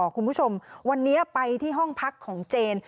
คุณผู้ชมวันนี้ไปที่ห้องพักของเจน